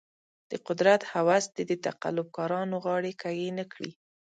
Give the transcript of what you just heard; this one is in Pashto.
د قدرت هوس دې د تقلب کارانو غاړې کږې نه کړي.